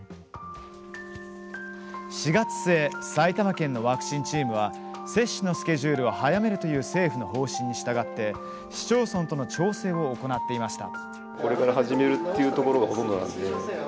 ４月末埼玉県のワクチンチームは接種のスケジュールを早めるという政府の方針に従って市町村との調整を行っていました。